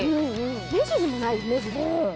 目尻もない目尻。